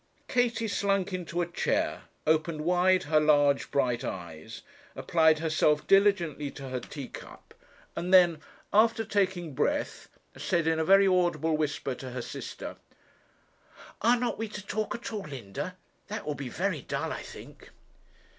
Katie slunk into a chair, opened wide her large bright eyes, applied herself diligently to her tea cup, and then, after taking breath, said, in a very audible whisper to her sister, 'Are not we to talk at all, Linda? That will be very dull, I think.'